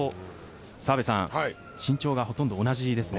澤部さん身長がほとんど同じですね。